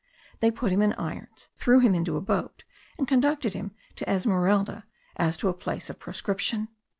They put him in irons, threw him into a boat, and conducted him to Esmeralda, as to a place of proscription.